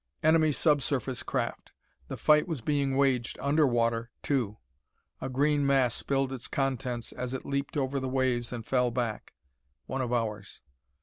Enemy sub surface craft. The fight was being waged under water, too. A green mass spilled its contents as it leaped over the waves and fell back. One of ours.